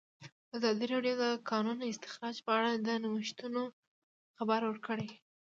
ازادي راډیو د د کانونو استخراج په اړه د نوښتونو خبر ورکړی.